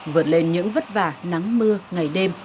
vượt lên những vất vả nắng mưa ngày đêm